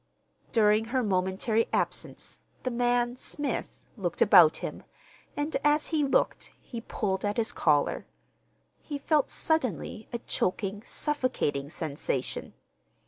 During her momentary absence the man, Smith, looked about him, and as he looked he pulled at his collar. He felt suddenly a choking, suffocating sensation.